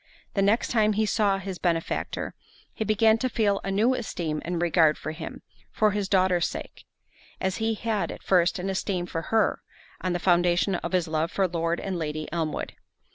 The next time he saw his benefactor, he began to feel a new esteem and regard for him, for his daughter's sake; as he had at first an esteem for her, on the foundation of his love for Lord and Lady Elmwood.